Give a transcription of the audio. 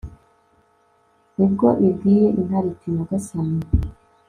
nibwo ibwiye intare iti nyagasani